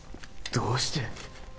どうして！？